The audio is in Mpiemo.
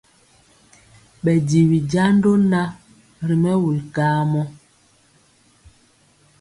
Ɓɛ jiwi jando na ri mɛwul kamɔ.